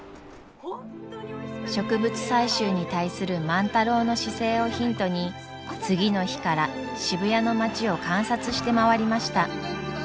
植物採集に対する万太郎の姿勢をヒントに次の日から渋谷の町を観察して回りました。